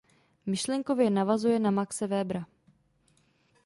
Myšlenkově navazuje na Maxe Webera.